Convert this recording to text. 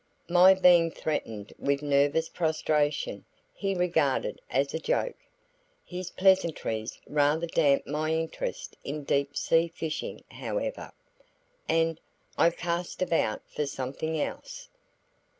My being threatened with nervous prostration he regarded as a joke. His pleasantries rather damped my interest in deep sea fishing, however, and I cast about for something else.